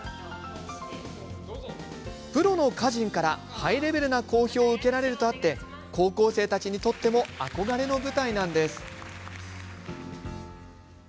プロの歌人からハイレベルな講評を受けられるとあって高校生たちにとっても憧れの舞台なんです。